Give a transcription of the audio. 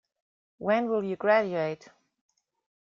When will you graduate?